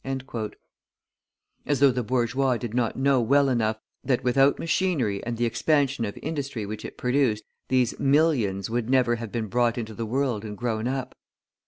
As though the bourgeois did not know well enough that without machinery and the expansion of industry which it produced, these "millions" would never have been brought into the world and grown up!